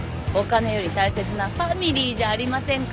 お金より大切なファミリーじゃありませんか。